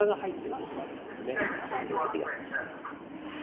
こうちょっと優しく。